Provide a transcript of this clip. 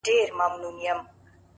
اختر نژدې دی ـ